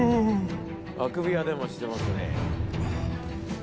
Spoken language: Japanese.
「あくびはでもしてますね」